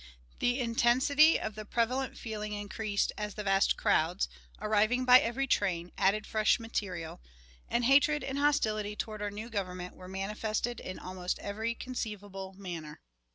"The intensity of the prevalent feeling increased as the vast crowds, arriving by every train, added fresh material; and hatred and hostility toward our new Government were manifested in almost every conceivable manner."